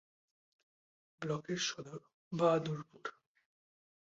ব্লকের সদর বাহাদুরপুর।